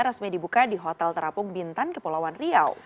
resmi dibuka di hotel terapung bintan kepulauan riau